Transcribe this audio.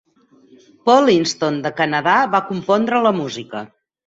Paul Intson, de Canadà, va compondre la música.